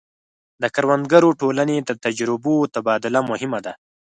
د کروندګرو ټولنې د تجربو تبادله مهمه ده.